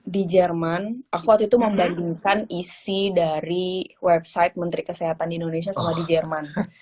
di jerman aku waktu itu membandingkan isi dari website menteri kesehatan di indonesia sama di jerman